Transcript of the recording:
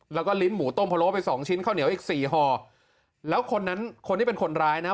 แล้วก็ลิ้นหมูต้มพะโล้ไปสองชิ้นข้าวเหนียวอีกสี่ห่อแล้วคนนั้นคนที่เป็นคนร้ายนะ